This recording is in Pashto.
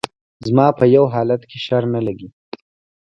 زما په يو حالت کښې شر نه لګي